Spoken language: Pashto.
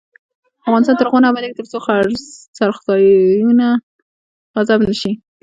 افغانستان تر هغو نه ابادیږي، ترڅو څرځایونه غصب نشي.